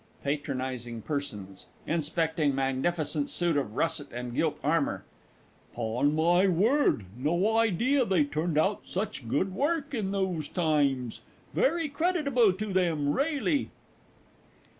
PATRONISING PERSONS (inspecting magnificent suit of russet and gilt armour). 'Pon my word, no idea they turned out such good work in those times very creditable to them, really.